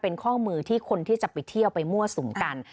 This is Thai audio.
เป็นข้อมือที่คนที่จะไปเที่ยวไปมั่วสุมกัน